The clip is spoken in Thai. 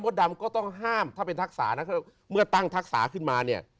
ดำก็ต้องห้ามถ้าเป็นทักษานะเมื่อตั้งทักษาขึ้นมาเนี่ย